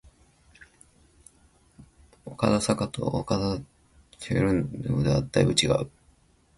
岡田紗佳と岡田彰布ではだいぶ違う